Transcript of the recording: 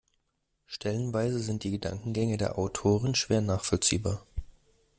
Stellenweise sind die Gedankengänge der Autorin schwer nachvollziehbar.